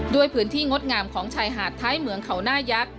ด้วยพื้นที่งดงามของชายหาดท้ายเหมืองเขาหน้ายักษ์